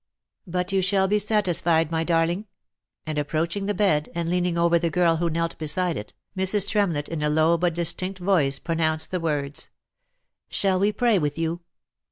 " But you shall be satis fied my darling," and approaching the bed, and leaning over the girl who knelt beside it, Mrs. Tremlett in a low but distinct voice pro nounced the words, " Shall we pray with you?"